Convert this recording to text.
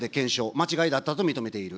間違いだったと認めている。